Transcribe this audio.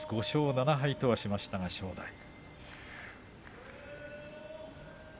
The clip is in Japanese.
５勝７敗とはしましたが、正代。